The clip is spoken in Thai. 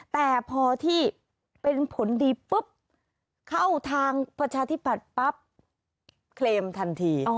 แต่พอที่เป็นผลดีปุ๊บเข้าทางประชาธิปัตย์ปั๊บเคลมทันที